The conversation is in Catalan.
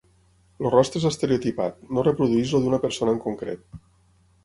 El rostre és estereotipat, no reprodueix el d'una persona en concret.